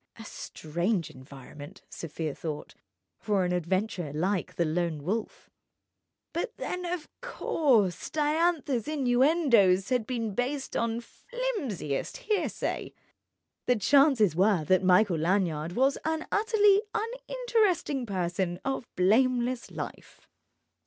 A strange environment (Sofia thought) for an adventurer like the Lone Wolf. But then—of course!—Diantha's innuendoes had been based on flimsiest hearsay. The chances were that Michael Lanyard was an utterly uninteresting person of blameless life.